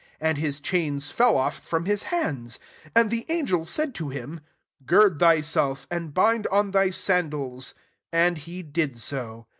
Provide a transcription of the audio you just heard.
8 And his chains fell offfrom Ai> hands. And the angel said to him, " Gird thyself, and bind on thy sandals." And he did so.